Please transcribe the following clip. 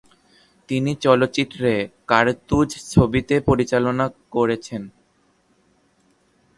তিনি চলচ্চিত্রে কার্তুজ ছবিতে পরিচালনা করেছেন।